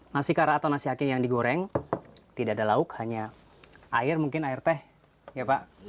nasi kara atau nasi aking yang digoreng tidak ada lauk hanya air mungkin air teh ya pak